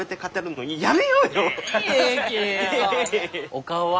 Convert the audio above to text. お顔は？